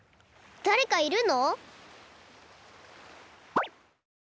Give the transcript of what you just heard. だれかいるの？